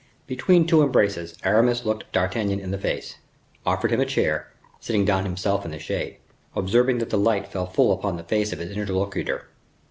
Between two embraces, Aramis looked D'Artagnan in the face, offered him a chair, sitting down himself in the shade, observing that the light fell full upon the face of his interlocutor.